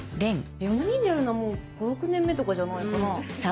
４人でやるのはもう５６年目とかじゃないかな？